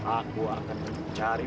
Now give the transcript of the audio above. aku akan mencari